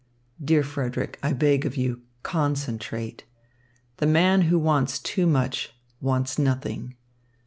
Dear Frederick, I beg of you, concentrate. The man who wants too much wants nothing.